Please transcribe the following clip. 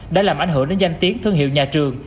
đã làm ảnh hưởng đến danh tiếng thương hiệu nhà trường